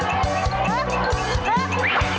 เอามารูมารู